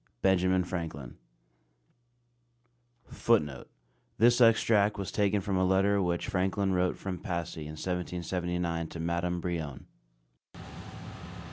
BENJAMIN FRANKLIN. [Footnote: This extract was taken from a letter which Franklin wrote from Passy in 1779 to Madame Brillon.